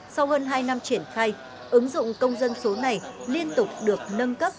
sau hơn hai năm triển khai ứng dụng công dân số này liên tục được nâng cấp